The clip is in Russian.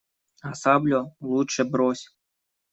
А саблю лучше брось.